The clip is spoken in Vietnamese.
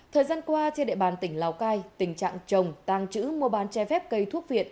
thời gian qua trên đệ bàn tỉnh lào cai tình trạng trồng tàng trữ mua bán chai phép cây thuốc viện